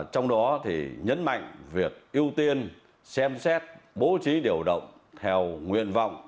trong đó nhấn mạnh việc ưu tiên xem xét bố trí điều động theo nguyện vọng